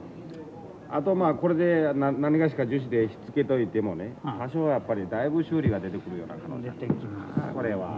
あとまあこれで何がしか樹脂でひっつけといてもね多少はやっぱりだいぶ修理が出てくるような可能性あるなこれは。